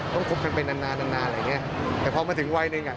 ต้องคุกกันไปนานอะไรอย่างเงี้ยแต่พอมาถึงวัยหนึ่ง